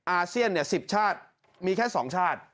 อาเซียน๑๐ชาติมีแค่๒ชาติ